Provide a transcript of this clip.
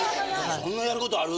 そんなやる事ある？